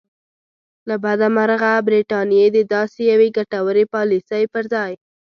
له بده مرغه برټانیې د داسې یوې ګټورې پالیسۍ پر ځای.